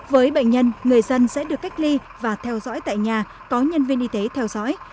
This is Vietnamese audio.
với bệnh nhân người dân sẽ được cách ly và theo dõi tại nhà có nhân viên y tế theo dõi